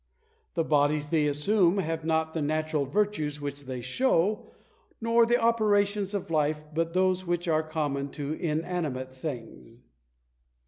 The bodies they assume have not the natural virtues which they show, nor the operations of life, but those which are common to inanimate things.